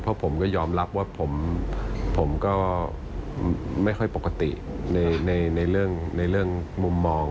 เพราะผมก็ยอมรับว่าผมก็ไม่ค่อยปกติในเรื่องมุมมอง